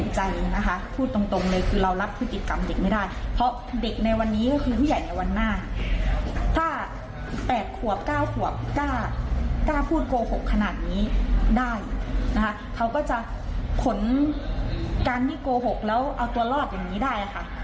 ในวันหน้าถ้าแปดขวบก้าวขวบกล้าพูดโกหกขนาดนี้ได้นะฮะเขาก็จะผลการที่โกหกแล้วเอาตัวรอดอย่างนี้ได้ค่ะ